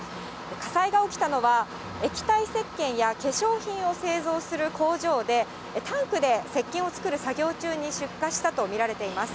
火災が起きたのは、液体せっけんや化粧品を製造する工場で、タンクでせっけんを作る作業中に出火したと見られています。